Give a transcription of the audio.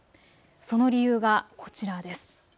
その理由がこちらです。